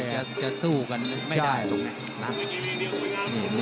แล้วจะสู้กันไม่ได้ตรงนั้น